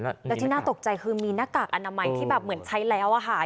แล้วที่น่าตกใจคือมีหน้ากากอนามัยที่แบบเหมือนใช้แล้วอะค่ะ